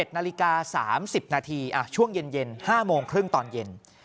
๑นาฬิกา๓๐นาทีช่วงเย็น๕โมงครึ่งตอนเย็น